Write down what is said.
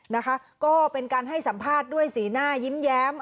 นะคะก็เป็นการให้สัมภาษณ์ด้วยสีหน้ายิ้มแย้ม